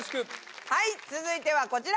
はい続いてはこちら！